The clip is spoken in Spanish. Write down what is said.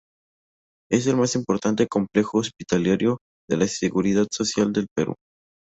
Es el más importante complejo hospitalario de la seguridad social del Perú.